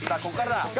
ここからだ。